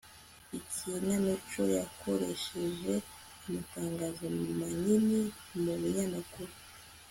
ikinamico yakoresheje amatangazo manini mu binyamakuru